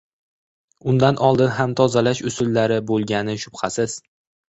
Undan oldin ham tozalash usullari bo‘lgani shubhasiz.